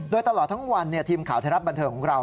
โดยตลอดทั้งวันทีมข่าวไทยรัฐบันเทิงของเรา